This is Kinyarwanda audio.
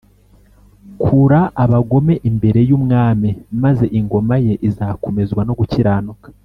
kura abagome imbere y’umwami, maze ingoma ye izakomezwa no gukiranuka